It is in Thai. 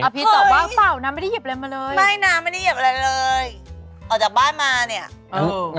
นี่สมมุตินี่สมมุติ